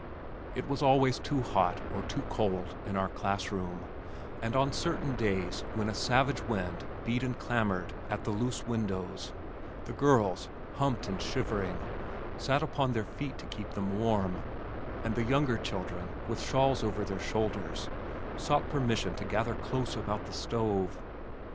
It was always too hot or too cold in our schoolroom and on certain days when a savage wind beat and clamored at the loose windows, the girls, humped and shivering, sat upon their feet to keep them warm, and the younger children with shawls over their shoulders sought permission to gather close about the stove.